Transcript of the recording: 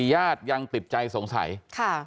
ญาติยังติดใจสงสัยค่ะ